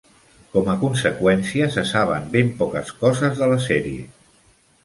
Com a conseqüència, se saben ben poques coses de la sèrie.